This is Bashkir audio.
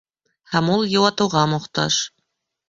Һәм ул йыуатыуға мохтаж.